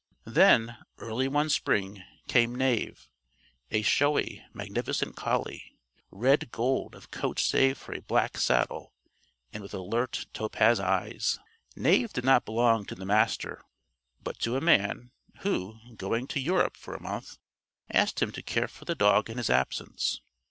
Then, early one spring, came Knave a showy, magnificent collie; red gold of coat save for a black "saddle," and with alert topaz eyes. Knave did not belong to the Master, but to a man who, going to Europe for a month, asked him to care for the dog in his absence.